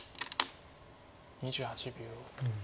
２８秒。